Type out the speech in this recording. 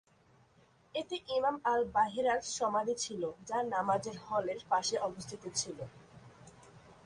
এতে ইমাম আল-বাহেরের সমাধি ছিল, যা নামাজের হলের পাশে অবস্থিত ছিল।